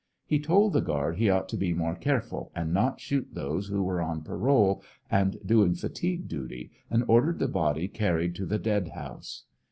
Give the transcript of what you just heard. He told the guard he ought to be more careful and not shoot those who were on parole and doing fatigue duty, and ordered the body car ried to the dead house.